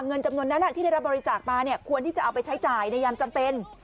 เงินจำนวนนั้นที่ได้รับบริจาคมาควรที่จะเอาไปใช้จ่ายในยามจำเป็น